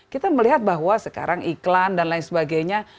kita melihat bahwa sekarang iklan dan lain sebagainya